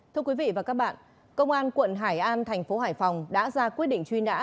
thưa quý vị và các bạn công an quận hải an thành phố hải phòng đã ra quyết định truy nã